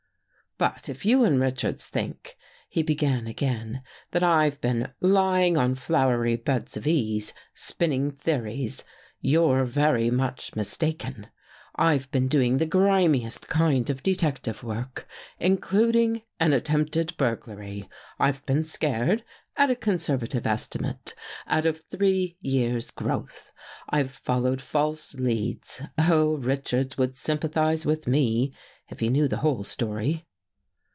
" But if you and Richards think," he began again, " that I've been ' lying on flowery beds of ease * spinning theories, you're very much mistaken. I've been doing the grimiest kind of detective work, in cluding an attempted burglary. I've been scared, at a conservative estimate, out of three years' growth. I've followed false leads — Oh, Richards would sympathize with me, if he knew the whole story."